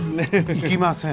行きません。